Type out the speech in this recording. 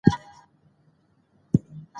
د هیواد لمنې اور اخیستی و.